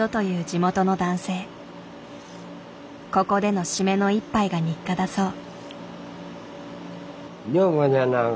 ここでのシメの一杯が日課だそう。